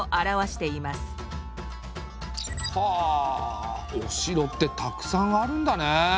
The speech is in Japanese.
はあお城ってたくさんあるんだね。